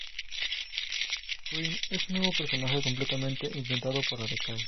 Green es un nuevo personaje completamente inventado para "Decay".